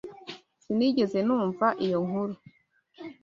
Sinigeze numva iyo nkuru.